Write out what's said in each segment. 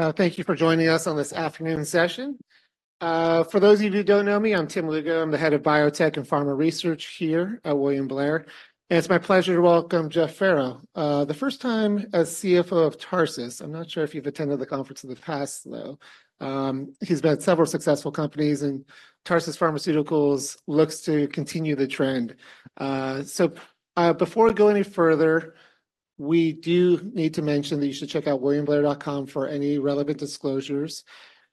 Thank you for joining us on this afternoon session. For those of you who don't know me, I'm Tim Lugo. I'm the head of Biotech and Pharma Research here at William Blair, and it's my pleasure to welcome Jeff Farrow the first time as CFO of Tarsus. I'm not sure if you've attended the conference in the past, though. He's been at several successful companies, and Tarsus Pharmaceuticals looks to continue the trend. So, before we go any further, we do need to mention that you should check out williamblair.com for any relevant disclosures.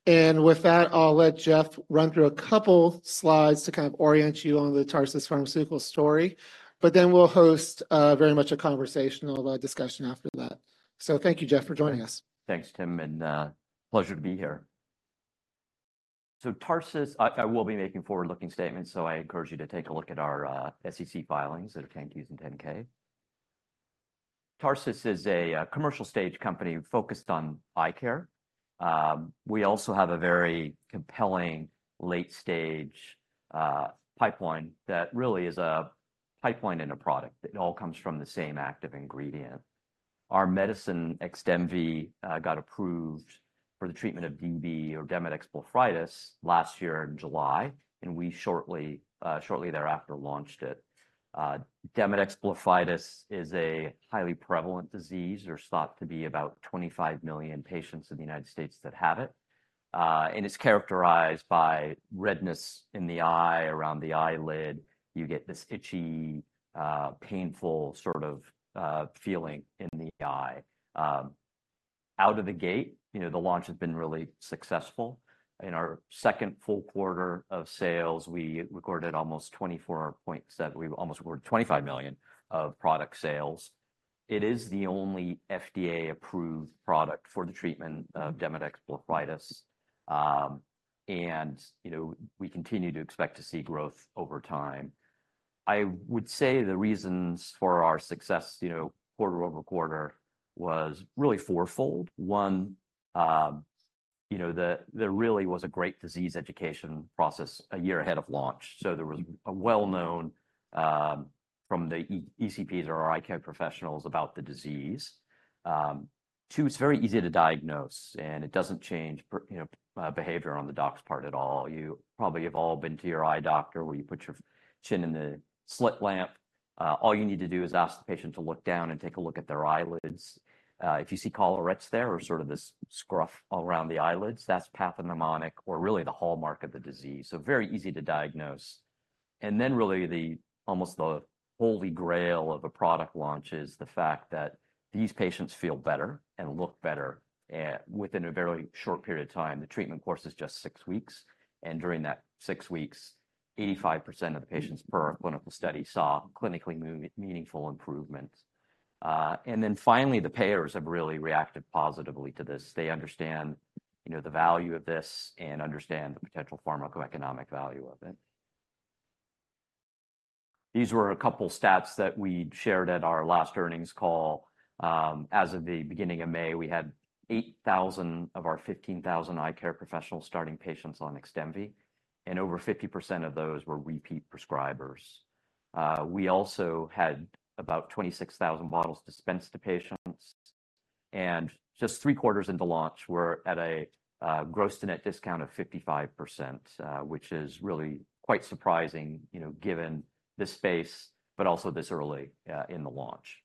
And with that, I'll let Jeff run through a couple slides to kind of orient you on the Tarsus Pharmaceuticals story, but then we'll host very much a conversational discussion after that. So thank you, Jeff, for joining us. Thanks, Tim, and pleasure to be here. So Tarsus. I will be making forward-looking statements, so I encourage you to take a look at our SEC filings, our 10-Qs and 10-K. Tarsus is a commercial stage company focused on eye care. We also have a very compelling late-stage pipeline that really is a pipeline and a product that all comes from the same active ingredient. Our medicine, Xdemvy, got approved for the treatment of DB or Demodex blepharitis last year in July, and we shortly thereafter launched it. Demodex blepharitis is a highly prevalent disease. There's thought to be about 25 million patients in the United States that have it. And it's characterized by redness in the eye, around the eyelid. You get this itchy, painful sort of feeling in the eye. Out of the gate, you know, the launch has been really successful. In our second full quarter of sales, we recorded almost $24.7 million. We almost recorded $25 million of product sales. It is the only FDA-approved product for the treatment of Demodex blepharitis. And, you know, we continue to expect to see growth over time. I would say the reasons for our success, you know, quarter-over-quarter, was really fourfold. One, you know, there really was a great disease education process a year ahead of launch, so there was a well-known, from the ECPs or our eye care professionals about the disease. Two, it's very easy to diagnose, and it doesn't change per, you know, behavior on the doc's part at all. You probably have all been to your eye doctor, where you put your chin in the slit lamp. All you need to do is ask the patient to look down and take a look at their eyelids. If you see collarettes there, or sort of this scruff all around the eyelids, that's pathognomonic or really the hallmark of the disease. So very easy to diagnose. And then, really, almost the holy grail of a product launch is the fact that these patients feel better and look better, within a very short period of time. The treatment course is just six weeks, and during that six weeks, 85% of the patients per clinical study saw clinically meaningful improvements. And then finally, the payers have really reacted positively to this. They understand, you know, the value of this and understand the potential pharmacoeconomic value of it. These were a couple stats that we shared at our last earnings call. As of the beginning of May, we had 8,000 of our 15,000 eye care professionals starting patients on Xdemvy, and over 50% of those were repeat prescribers. We also had about 26,000 bottles dispensed to patients, and just three quarters into launch, we're at a gross-to-net discount of 55%, which is really quite surprising, you know, given this space, but also this early in the launch.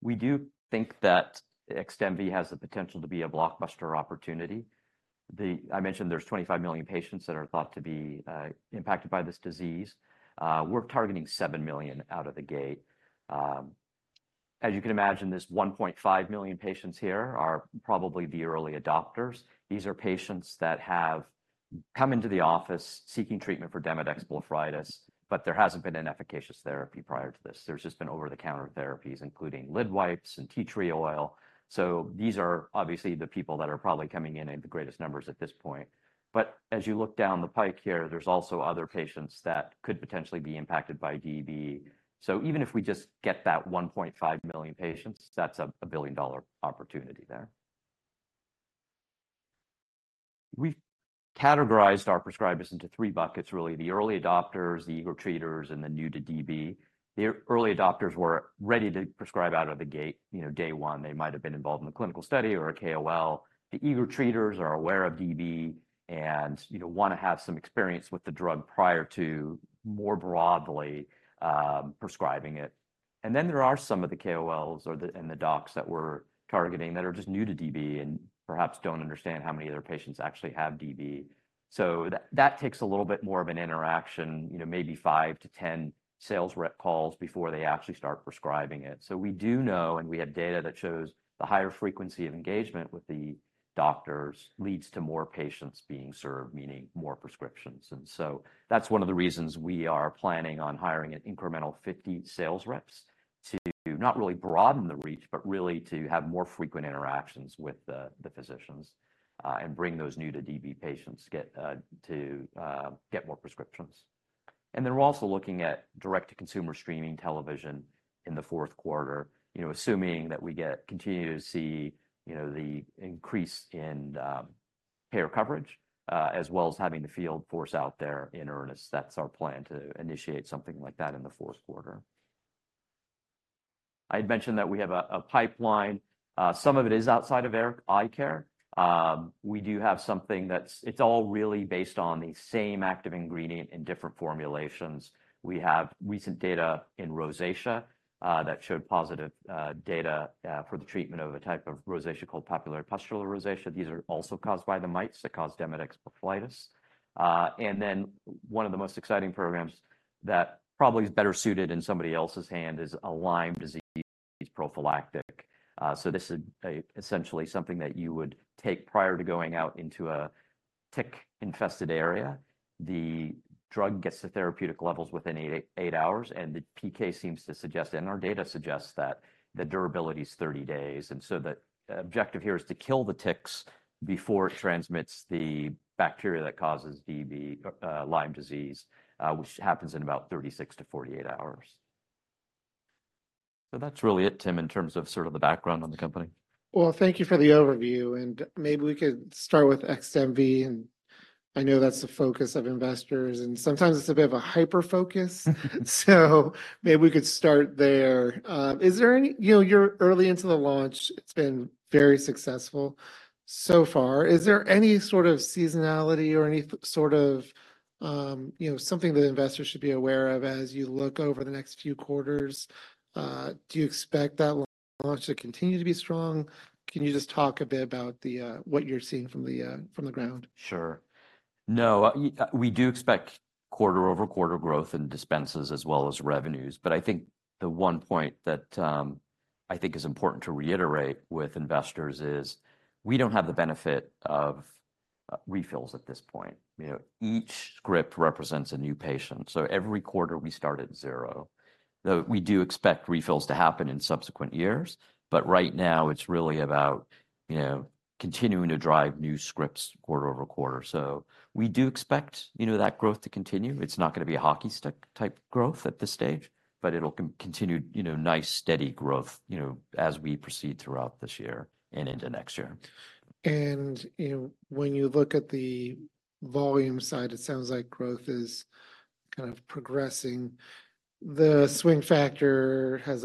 We do think that Xdemvy has the potential to be a blockbuster opportunity. I mentioned there's 25 million patients that are thought to be impacted by this disease. We're targeting 7 million out of the gate. As you can imagine, these 1.5 million patients here are probably the early adopters. These are patients that have come into the office seeking treatment for Demodex blepharitis, but there hasn't been an efficacious therapy prior to this. There's just been over-the-counter therapies, including lid wipes and tea tree oil. So these are obviously the people that are probably coming in in the greatest numbers at this point. But as you look down the pike here, there's also other patients that could potentially be impacted by DB. So even if we just get that 1.5 million patients, that's a billion-dollar opportunity there. We've categorized our prescribers into three buckets, really, the early adopters, the eager treaters, and the new to DB. The early adopters were ready to prescribe out of the gate, you know, day one. They might have been involved in a clinical study or a KOL. The eager treaters are aware of DB and, you know, wanna have some experience with the drug prior to more broadly prescribing it. Then there are some of the KOLs or the docs that we're targeting that are just new to DB and perhaps don't understand how many of their patients actually have DB. So that takes a little bit more of an interaction, you know, maybe 5-10 sales rep calls before they actually start prescribing it. So we do know, and we have data that shows the higher frequency of engagement with the doctors leads to more patients being served, meaning more prescriptions. That's one of the reasons we are planning on hiring an incremental 50 sales reps, to not really broaden the reach, but really to have more frequent interactions with the physicians, and bring those new to DB patients, get more prescriptions. We're also looking at direct-to-consumer streaming television in the Q4. You know, assuming that we continue to see, you know, the increase in payer coverage, as well as having the field force out there in earnest. That's our plan, to initiate something like that in the Q4. I'd mentioned that we have a pipeline. Some of it is outside of eye care. We do have something that's all really based on the same active ingredient in different formulations. We have recent data in rosacea that showed positive data for the treatment of a type of rosacea called papulopustular rosacea. These are also caused by the mites that cause Demodex blepharitis. And then one of the most exciting programs that probably is better suited in somebody else's hand is a Lyme disease prophylactic. So this is essentially something that you would take prior to going out into a tick-infested area. The drug gets to therapeutic levels within 8, 8 hours, and the PK seems to suggest, and our data suggests that the durability is 30 days. And so the objective here is to kill the ticks before it transmits the bacteria that causes Lyme disease, which happens in about 36-48 hours. So that's really it, Tim, in terms of sort of the background on the company. Well, thank you for the overview, and maybe we could start with Xdemvy, and I know that's the focus of investors, and sometimes it's a bit of a hyperfocus. So maybe we could start there. Is there any... You know, you're early into the launch. It's been very successful so far. Is there any sort of seasonality or any sort of, you know, something that investors should be aware of as you look over the next few quarters? Do you expect that launch to continue to be strong? Can you just talk a bit about the, what you're seeing from the, from the ground? Sure. No, we do expect quarter-over-quarter growth in dispenses as well as revenues. But I think the one point that I think is important to reiterate with investors is we don't have the benefit of refills at this point. You know, each script represents a new patient, so every quarter we start at zero. Though we do expect refills to happen in subsequent years, but right now it's really about, you know, continuing to drive new scripts quarter over quarter. So we do expect, you know, that growth to continue. It's not gonna be a hockey stick type growth at this stage, but it'll continue, you know, nice, steady growth, you know, as we proceed throughout this year and into next year. You know, when you look at the volume side, it sounds like growth is kind of progressing. The swing factor has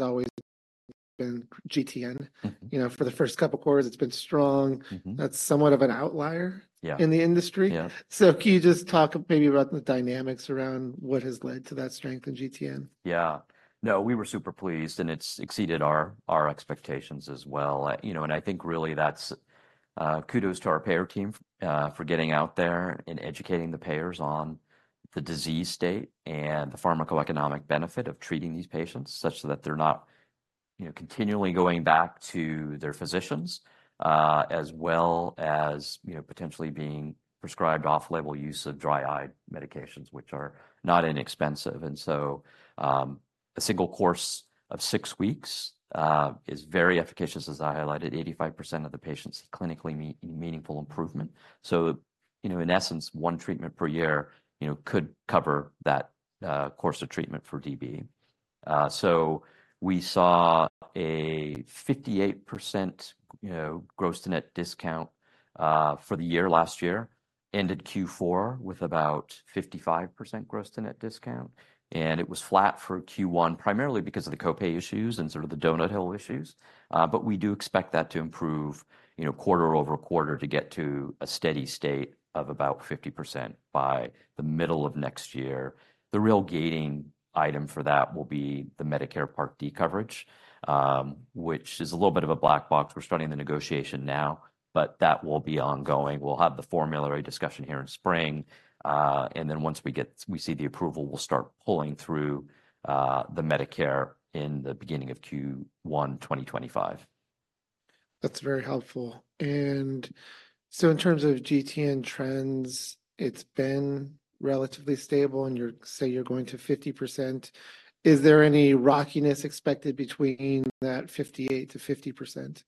always been GTN. You know, for the first couple quarters, it's been strong. That's somewhat of an outlier- Yeah... in the industry. Yeah. Can you just talk a bit about the dynamics around what has led to that strength in GTN? Yeah. No, we were super pleased, and it's exceeded our expectations as well. You know, and I think really that's kudos to our payer team for getting out there and educating the payers on the disease state and the pharmacoeconomic benefit of treating these patients, such that they're not, you know, continually going back to their physicians. As well as, you know, potentially being prescribed off-label use of dry eye medications, which are not inexpensive. And so, a single course of six weeks is very efficacious. As I highlighted, 85% of the patients see clinically meaningful improvement. So, you know, in essence, one treatment per year, you know, could cover that course of treatment for DB. So we saw a 58%, you know, gross to net discount, for the year last year, ended Q4 with about 55% gross to net discount, and it was flat for Q1, primarily because of the copay issues and sort of the donut hole issues. But we do expect that to improve, you know, quarter-over-quarter to get to a steady state of about 50% by the middle of next year. The real gating item for that will be the Medicare Part D coverage, which is a little bit of a black box. We're starting the negotiation now, but that will be ongoing. We'll have the formulary discussion here in spring, and then once we see the approval, we'll start pulling through, the Medicare in the beginning of Q1, 2025. That's very helpful. And so in terms of GTN trends, it's been relatively stable, and you're, say you're going to 50%. Is there any rockiness expected between that 58%-50%?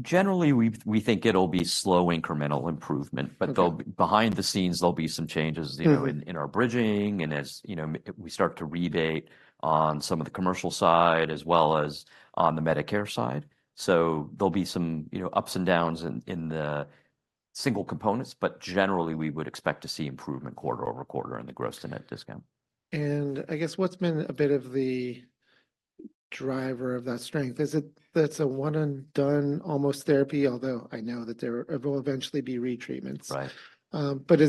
Generally, we think it'll be slow, incremental improvement. Okay... but, behind the scenes, there'll be some changes. You know, in our bridging and as you know, we start to rebate on some of the commercial side as well as on the Medicare side. So there'll be some, you know, ups and downs in the single components, but generally, we would expect to see improvement quarter-over-quarter in the gross-to-net discount. I guess what's been a bit of the driver of that strength? Is it, that's a one and done almost therapy, although I know that there will eventually be retreatments. Right. But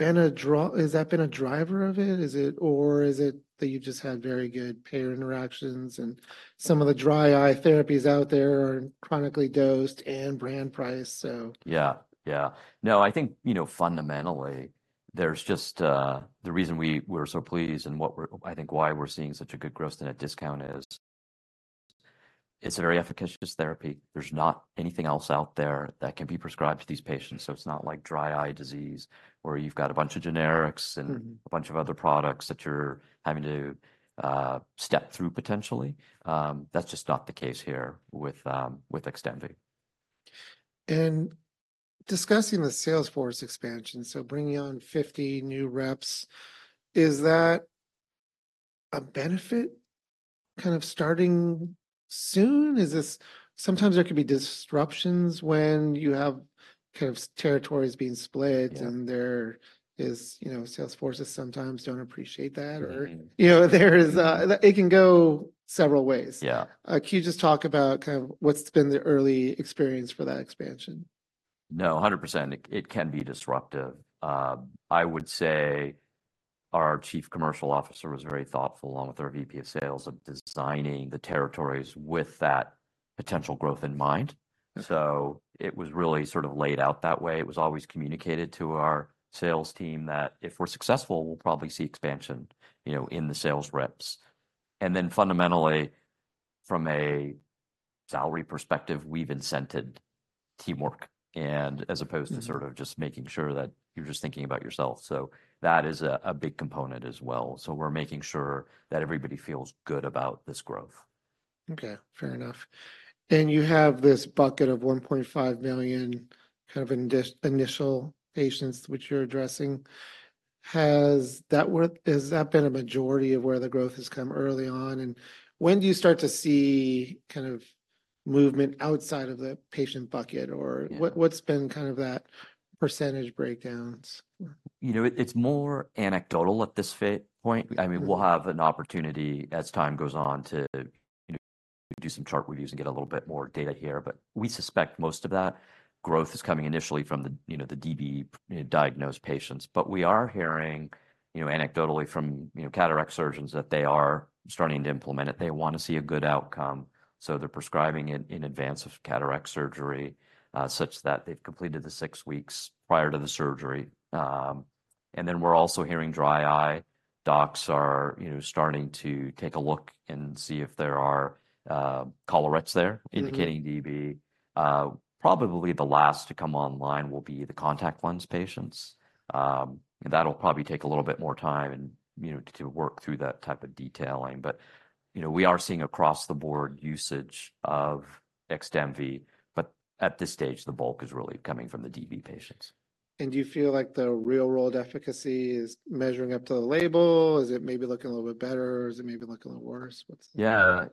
has that been a driver of it? Is it... or is it that you've just had very good payer interactions and some of the dry eye therapies out there are chronically dosed and brand priced, so? Yeah, yeah. No, I think, you know, fundamentally, there's just the reason we were so pleased and I think why we're seeing such a good growth in a discount is, it's a very efficacious therapy. There's not anything else out there that can be prescribed to these patients. So it's not like dry eye disease, where you've got a bunch of generics and a bunch of other products that you're having to step through potentially. That's just not the case here with Xdemvy. Discussing the sales force expansion, so bringing on 50 new reps, is that a benefit kind of starting soon? Is this, sometimes there can be disruptions when you have kind of territories being split? And there is, you know, sales forces sometimes don't appreciate that. You know, there is, it can go several ways. Yeah. Can you just talk about kind of what's been the early experience for that expansion? No, 100%, it can be disruptive. I would say our Chief Commercial Officer was very thoughtful, along with our VP of Sales, of designing the territories with that potential growth in mind. So it was really sort of laid out that way. It was always communicated to our sales team that if we're successful, we'll probably see expansion, you know, in the sales reps. And then fundamentally, from a salary perspective, we've incented teamwork, and as opposed to sort of just making sure that you're just thinking about yourself. So that is a big component as well. So we're making sure that everybody feels good about this growth. Okay, fair enough. Then you have this bucket of 1.5 million, kind of initial patients which you're addressing. Has that work, has that been a majority of where the growth has come early on? And when do you start to see kind of movement outside of the patient bucket, or what's been kind of that percentage breakdowns? You know, it's more anecdotal at this point. I mean, we'll have an opportunity as time goes on to, you know, do some chart reviews and get a little bit more data here, but we suspect most of that growth is coming initially from the, you know, the DB-diagnosed patients. But we are hearing, you know, anecdotally from, you know, cataract surgeons that they are starting to implement it. They want to see a good outcome, so they're prescribing it in advance of cataract surgery, such that they've completed the six weeks prior to the surgery. And then we're also hearing dry eye docs are, you know, starting to take a look and see if there are collarettes there indicating DB. Probably the last to come online will be the contact lens patients. That'll probably take a little bit more time and, you know, to work through that type of detailing. But, you know, we are seeing across-the-board usage of Xdemvy, but at this stage, the bulk is really coming from the DB patients. And do you feel like the real world efficacy is measuring up to the label? Is it maybe looking a little bit better, or is it maybe looking a little worse? What's- Yeah.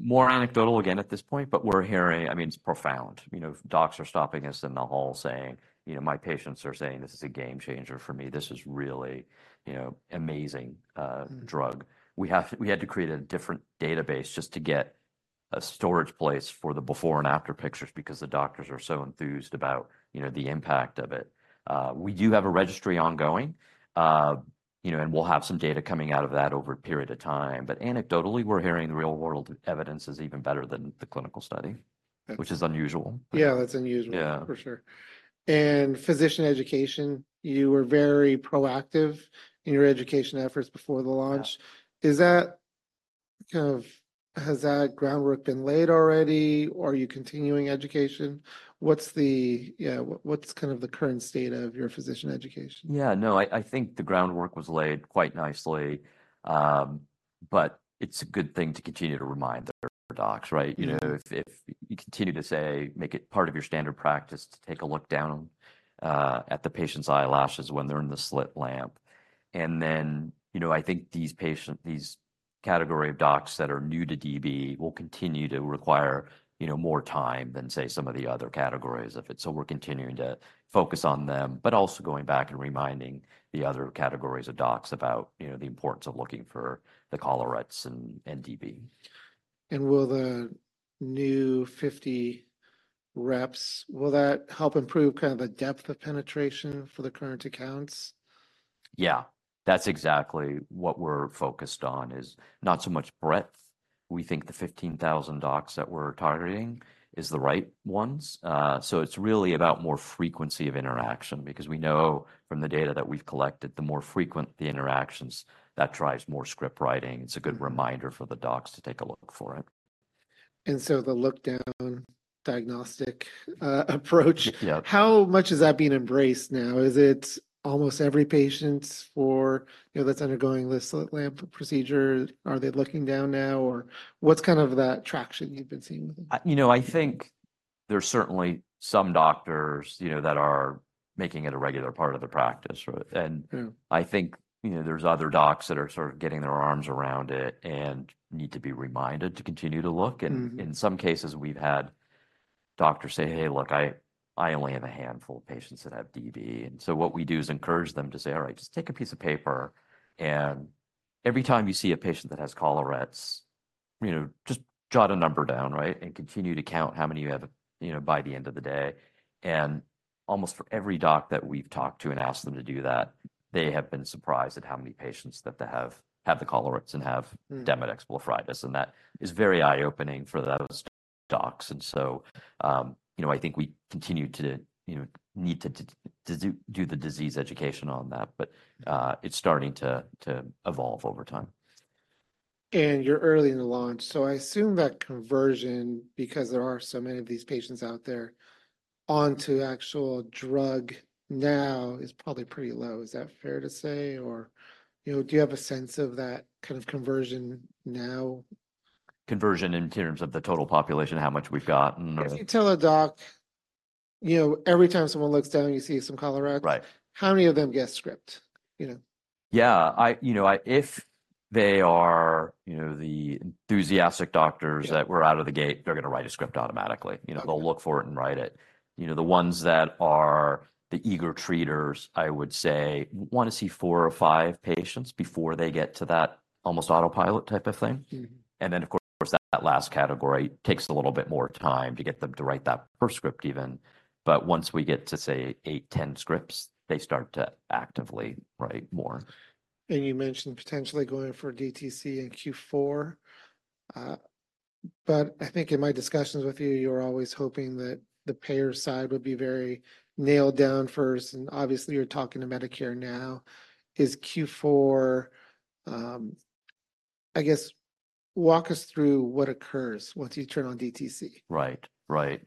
More anecdotal again at this point, but we're hearing, I mean, it's profound. You know, docs are stopping us in the hall saying, "You know, my patients are saying this is a game changer for me. This is really, you know, amazing drug." We have, we had to create a different database just to get a storage place for the before and after pictures because the doctors are so enthused about, you know, the impact of it. We do have a registry ongoing. You know, and we'll have some data coming out of that over a period of time. But anecdotally, we're hearing the real-world evidence is even better than the clinical study- Okay... which is unusual. Yeah, that's unusual for sure. And physician education, you were very proactive in your education efforts before the launch. Is that kind of, has that groundwork been laid already, or are you continuing education? What's the, yeah, what's kind of the current state of your physician education? Yeah, no, I think the groundwork was laid quite nicely. But it's a good thing to continue to remind the docs, right? You know, if you continue to say, "Make it part of your standard practice to take a look down at the patient's eyelashes when they're in the slit lamp." And then, you know, I think these patient, these category of docs that are new to DB will continue to require, you know, more time than, say, some of the other categories of it. So we're continuing to focus on them, but also going back and reminding the other categories of docs about, you know, the importance of looking for the collarettes and DB. Will the new 50 reps, will that help improve kind of the depth of penetration for the current accounts? Yeah, that's exactly what we're focused on, is not so much breadth. We think the 15,000 docs that we're targeting is the right ones. So it's really about more frequency of interaction, because we know from the data that we've collected, the more frequent the interactions, that drives more script writing. It's a good reminder for the docs to take a look for it. And so the look-down diagnostic approach- Yeah... how much is that being embraced now? Is it almost every patient for, you know, that's undergoing the slit lamp procedure, are they looking down now, or what's kind of that traction you've been seeing with it? You know, I think there's certainly some doctors, you know, that are making it a regular part of their practice, and I think, you know, there's other docs that are sort of getting their arms around it and need to be reminded to continue to look. And in some cases, we've had doctors say, "Hey, look, I, I only have a handful of patients that have DB." And so what we do is encourage them to say, "All right, just take a piece of paper, and every time you see a patient that has collarettes, you know, just jot a number down, right? And continue to count how many you have, you know, by the end of the day." And almost for every doc that we've talked to and asked them to do that, they have been surprised at how many patients that they have, have the collarettes and have Demodex blepharitis, and that is very eye-opening for those docs. And so, you know, I think we continue to, you know, need to do the disease education on that, but it's starting to evolve over time. You're early in the launch, so I assume that conversion, because there are so many of these patients out there, onto actual drug now is probably pretty low. Is that fair to say? Or, you know, do you have a sense of that kind of conversion now? Conversion in terms of the total population, how much we've got? Mm. If you tell a doctor, you know, every time someone looks down, you see some collarettes. Right. How many of them get script? You know. Yeah, you know, if they are, you know, the enthusiastic doctors that were out of the gate, they're gonna write a script automatically. You know they'll look for it and write it. You know, the ones that are the eager treaters, I would say, wanna see four or five patients before they get to that almost autopilot type of thing. And then, of course, that last category takes a little bit more time to get them to write that first script even. But once we get to, say, 8, 10 scripts, they start to actively write more. And you mentioned potentially going for DTC in Q4. But I think in my discussions with you, you were always hoping that the payer side would be very nailed down first, and obviously, you're talking to Medicare now. Is Q4, I guess, walk us through what occurs once you turn on DTC? Right. Right.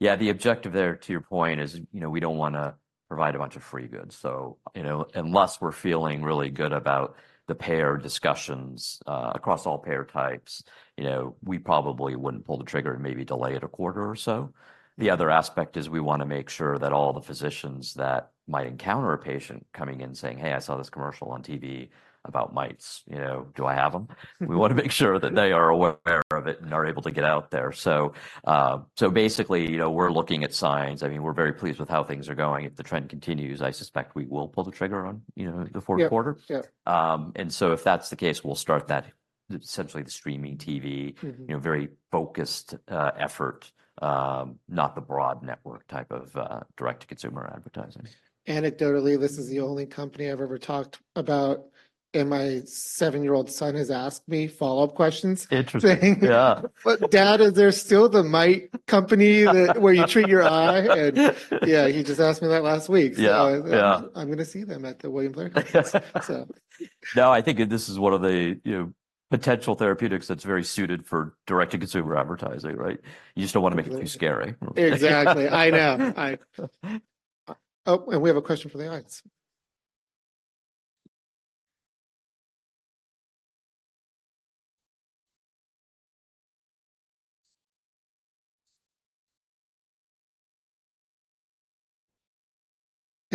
Yeah, the objective there, to your point, is, you know, we don't wanna provide a bunch of free goods. So, you know, unless we're feeling really good about the payer discussions across all payer types, you know, we probably wouldn't pull the trigger and maybe delay it a quarter or so. The other aspect is we wanna make sure that all the physicians that might encounter a patient coming in saying, "Hey, I saw this commercial on TV about mites, you know, do I have them?" We wanna make sure that they are aware of it and are able to get out there. So, basically, you know, we're looking at signs. I mean, we're very pleased with how things are going. If the trend continues, I suspect we will pull the trigger on, you know, the Q4. Yep. Yep. If that's the case, we'll start that, essentially the streaming TV you know, very focused effort, not the broad network type of direct-to-consumer advertising. Anecdotally, this is the only company I've ever talked about, and my seven-year-old son has asked me follow-up questions. Interesting. Yeah. But, Dad, is there still the mite company that- where you treat your eye?" And, yeah, he just asked me that last week. Yeah. Yeah. So I'm gonna see them at the William Blair office. So... No, I think this is one of the, you know, potential therapeutics that's very suited for direct-to-consumer advertising, right? You just don't wanna make it too scary. Exactly. I know. Oh, and we have a question from the audience.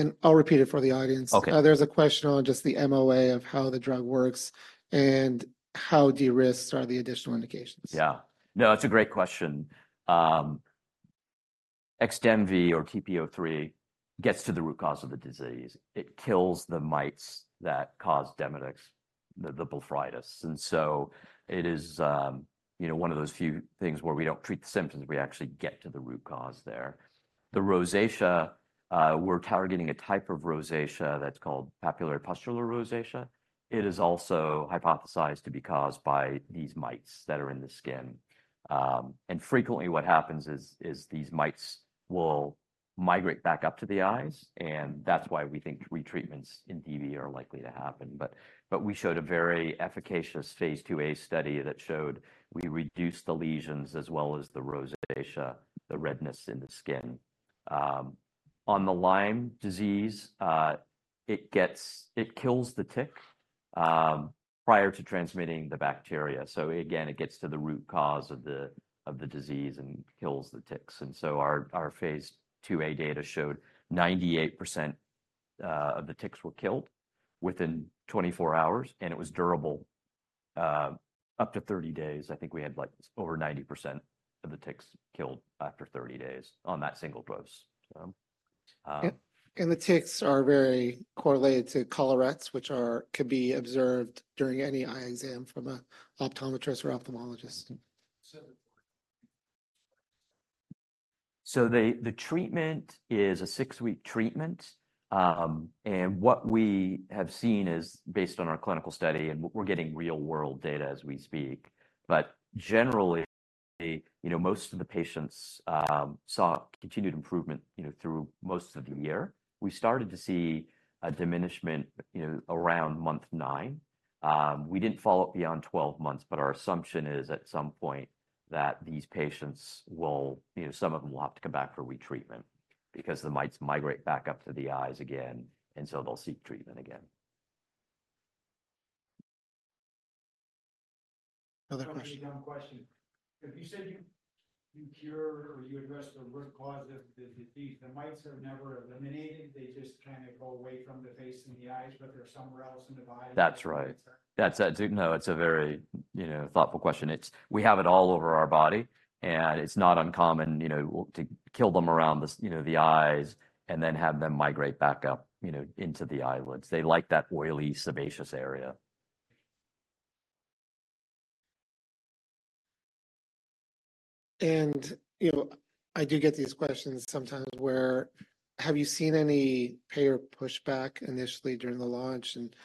And I'll repeat it for the audience. Okay. There's a question on just the MOA of how the drug works, and how de-risk are the additional indications? Yeah. No, it's a great question. Xdemvy or TP-03 gets to the root cause of the disease. It kills the mites that cause Demodex blepharitis. And so it is, you know, one of those few things where we don't treat the symptoms, we actually get to the root cause there. The rosacea, we're targeting a type of rosacea that's called papulopustular rosacea. It is also hypothesized to be caused by these mites that are in the skin. And frequently, what happens is these mites will migrate back up to the eyes, and that's why we think retreatments in DB are likely to happen. But we showed a very efficacious phase IIA study that showed we reduced the lesions as well as the rosacea, the redness in the skin. On the Lyme disease, it kills the tick prior to transmitting the bacteria. So again, it gets to the root cause of the disease and kills the ticks. And so our phase IIA data showed 98% of the ticks were killed within 24 hours, and it was durable up to 30 days. I think we had, like, over 90% of the ticks killed after 30 days on that single dose. So, Yeah, and the ticks are very correlated to collarettes, which could be observed during any eye exam from an optometrist or ophthalmologist. So the treatment is a six-week treatment. And what we have seen is based on our clinical study, and we're getting real-world data as we speak, but generally, you know, most of the patients saw continued improvement, you know, through most of the year. We started to see a diminishment, you know, around month nine. We didn't follow up beyond 12 months, but our assumption is, at some point, that these patients will... You know, some of them will have to come back for retreatment because the mites migrate back up to the eyes again, and so they'll seek treatment again. Another question. A dumb question. If you said you cure or you address the root cause of the disease, the mites are never eliminated, they just kind of go away from the face and the eyes, but they're somewhere else in the body? That's right. That's a—no, it's a very, you know, thoughtful question. It's—we have it all over our body, and it's not uncommon, you know, to kill them around the, you know, the eyes and then have them migrate back up, you know, into the eyelids. They like that oily, sebaceous area. And, you know, I do get these questions sometimes where... Have you seen any payer pushback initially during the launch, and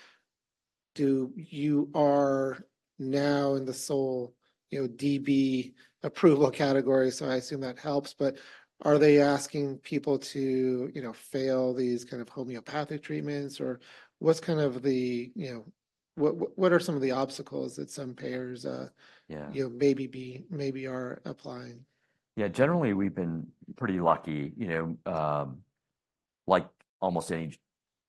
do you are now in the sole, you know, DB approval category, so I assume that helps. But are they asking people to, you know, fail these kind of homeopathic treatments, or what's kind of the, you know, what, what are some of the obstacles that some payers? Yeah... you know, maybe are applying? Yeah. Generally, we've been pretty lucky, you know, like almost any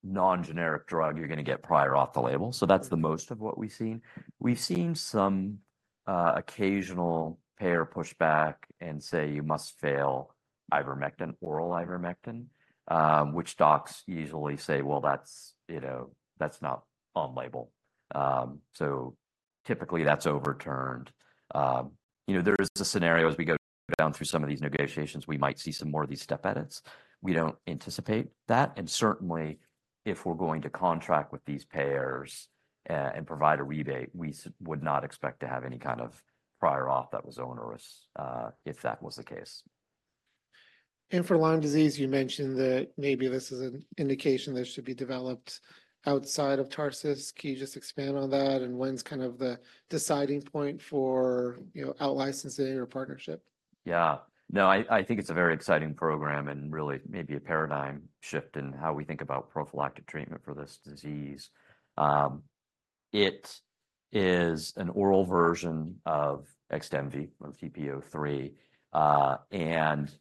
non-generic drug, you're gonna get prior auth off label. So that's the most of what we've seen. We've seen some occasional payer pushback and say, "You must fail ivermectin, oral ivermectin." Which docs usually say, "Well, that's, you know, that's not on label." So typically that's overturned. You know, there's a scenario as we go down through some of these negotiations, we might see some more of these step edits. We don't anticipate that, and certainly, if we're going to contract with these payers and provide a rebate, we would not expect to have any kind of prior auth that was onerous, if that was the case. And for Lyme disease, you mentioned that maybe this is an indication that should be developed outside of Tarsus. Can you just expand on that? And when's kind of the deciding point for, you know, out-licensing or partnership? Yeah. No, I, I think it's a very exciting program and really maybe a paradigm shift in how we think about prophylactic treatment for this disease. It is an oral version of Xdemvy, or TP-03. And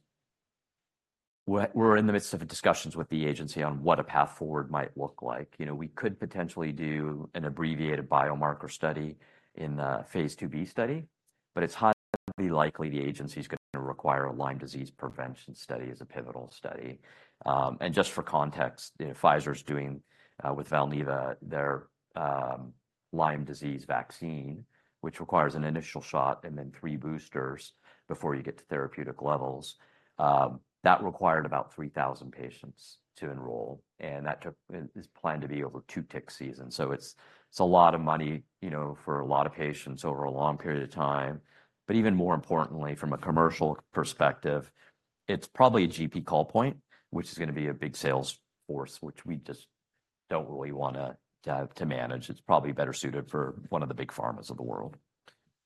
we're, we're in the midst of discussions with the agency on what a path forward might look like. You know, we could potentially do an abbreviated biomarker study in a phase IIB study, but it's highly likely the agency's gonna require a Lyme disease prevention study as a pivotal study. And just for context, you know, Pfizer's doing with Valneva their Lyme disease vaccine, which requires an initial shot and then three boosters before you get to therapeutic levels. That required about 3,000 patients to enroll, and that took... it is planned to be over two tick season. So it's a lot of money, you know, for a lot of patients over a long period of time. But even more importantly, from a commercial perspective, it's probably a GP call point, which is gonna be a big sales force, which we just don't really wanna have to manage. It's probably better suited for one of the big pharmas of the world.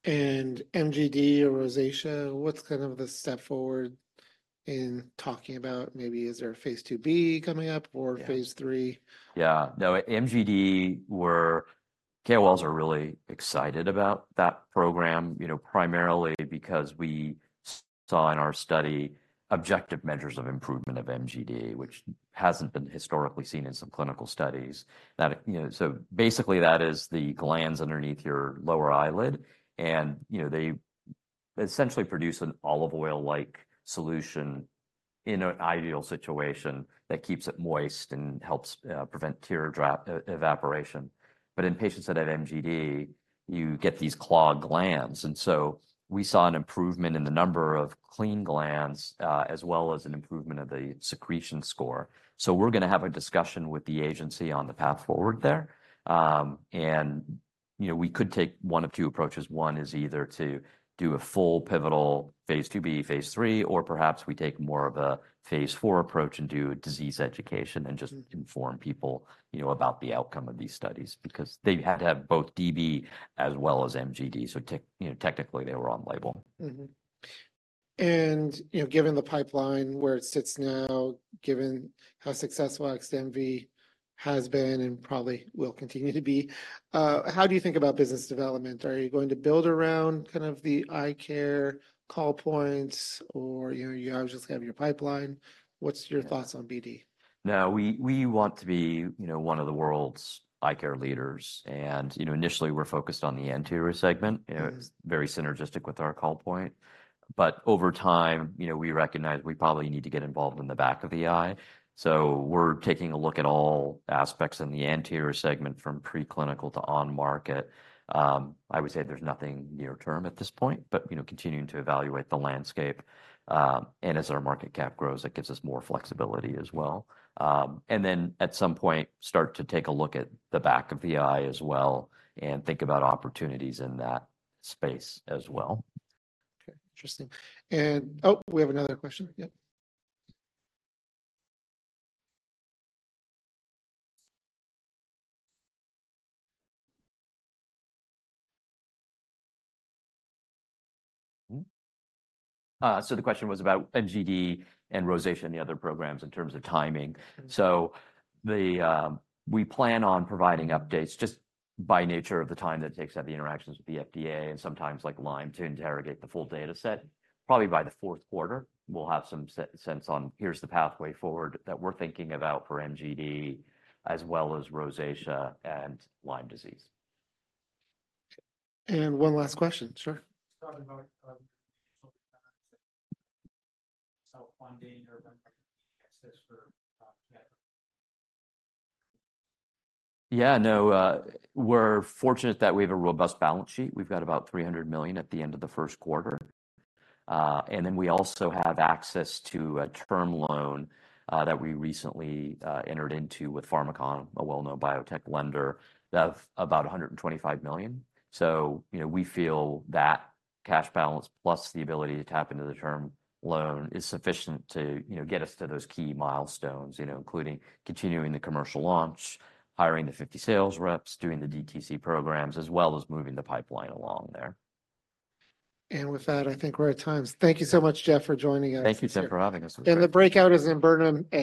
MGD or rosacea, what's kind of the step forward in talking about maybe is there a phase IIB coming up- Yeah. or phase III? Yeah. No, MGD, we're all really excited about that program, you know, primarily because we saw in our study objective measures of improvement of MGD, which hasn't been historically seen in some clinical studies. That, you know, so basically, that is the glands underneath your lower eyelid, and, you know, they essentially produce an olive oil-like solution in an ideal situation that keeps it moist and helps prevent teardrop evaporation. But in patients that have MGD, you get these clogged glands, and so we saw an improvement in the number of clean glands, as well as an improvement of the secretion score. So we're gonna have a discussion with the agency on the path forward there. And, you know, we could take one of two approaches. One is either to do a full pivotal phase IIB, phase III, or perhaps we take more of a phase IV approach and do disease education and just inform people, you know, about the outcome of these studies. Because they had to have both DB as well as MGD, so technically, you know, they were on label. Mm-hmm. And, you know, given the pipeline where it sits now, given how successful XDEMVY has been and probably will continue to be, how do you think about business development? Are you going to build around kind of the eye care call points, or, you know, you obviously have your pipeline. What's your- Yeah... thoughts on DB? No, we want to be, you know, one of the world's eye care leaders. You know, initially, we're focused on the anterior segment very synergistic with our call point. But over time, you know, we recognize we probably need to get involved in the back of the eye. So we're taking a look at all aspects in the anterior segment from preclinical to on market. I would say there's nothing near term at this point, but, you know, continuing to evaluate the landscape, and as our market cap grows, it gives us more flexibility as well. And then at some point, start to take a look at the back of the eye as well and think about opportunities in that space as well. Okay. Interesting. And, oh, we have another question. Yep. So the question was about MGD and rosacea and the other programs in terms of timing. So, we plan on providing updates just by nature of the time that it takes to have the interactions with the FDA and sometimes like Lyme to interrogate the full data set. Probably by the Q4, we'll have some sense on, here's the pathway forward that we're thinking about for MGD, as well as rosacea and Lyme disease. One last question, sure. Talking about, so funding or access for, yeah. Yeah, no, we're fortunate that we have a robust balance sheet. We've got about $300 million at the end of the Q1. And then we also have access to a term loan that we recently entered into with Pharmakon, a well-known biotech lender, of about $125 million. So, you know, we feel that cash balance, plus the ability to tap into the term loan, is sufficient to, you know, get us to those key milestones, you know, including continuing the commercial launch, hiring the 50 sales reps, doing the DTC programs, as well as moving the pipeline along there. With that, I think we're at time. Thank you so much, Jeff, for joining us. Thank you, Tim, for having us. The breakout is in Burnham A.